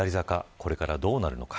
これから、どうなるのか。